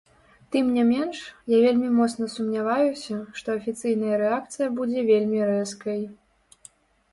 Тым не менш, я вельмі моцна сумняваюся, што афіцыйная рэакцыя будзе вельмі рэзкай.